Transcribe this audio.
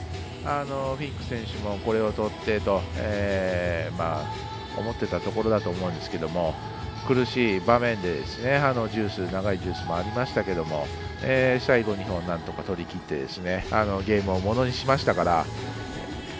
フィンク選手もこれを取ってと思ってたところだと思うんですが苦しい場面で長いデュースもありましたけど最後２本、なんとか取りきってゲームをものにしましたから。